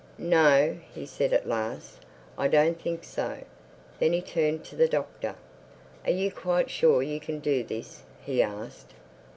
"No," he said at last, "I don't think so." Then he turned to the Doctor. "Are you quite sure you can do this?" he asked.